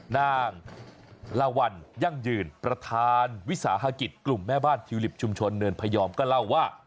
นางละวันยั่งยืนประธานวิสาหกิจกลุ่มแม่บ้านทิวลิปชุมชนเนินพยอมก็เล่าว่า